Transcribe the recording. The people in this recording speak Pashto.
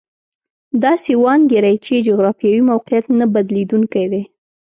داسې وانګېري چې جغرافیوي موقعیت نه بدلېدونکی دی.